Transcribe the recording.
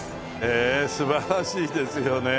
ええ素晴らしいですよね。